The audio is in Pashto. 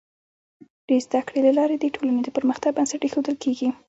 د زده کړې له لارې د ټولنې د پرمختګ بنسټ ایښودل کيږي.